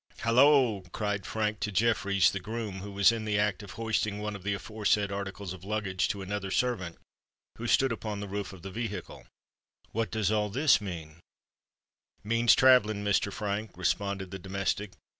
"Halloa!" cried Frank to Jeffreys, the groom, who was in the act of hoisting one of the aforesaid articles of luggage to another servant who stood upon the roof of the vehicle: "what does all this mean?" "Means travelling, Mr. Frank," responded the domestic.